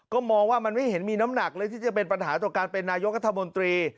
ก็มองว่ามันไม่เห็นมีน้ำหนักเลยที่จะเป็นปัญหาต่อการเป็นนายกัธมนตรี